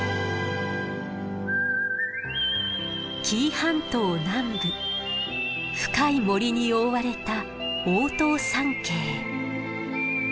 紀伊半島南部深い森に覆われた大塔山系。